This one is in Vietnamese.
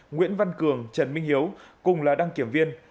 nguyễn văn cường trần minh hiếu cùng là đăng kiểm viên